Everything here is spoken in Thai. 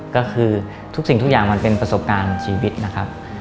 ก็คือทุกสิ่งทุกอย่างมันเป็นประสบการณ์ชีวิตนะครับ